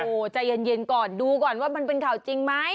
โอ้โหใจเย็นก่อนดูก่อนว่ามันเป็นข่าวจริงไหม